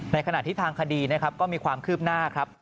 ในขณะที่ทางคดีนะครับก็มีความคืบหน้าครับ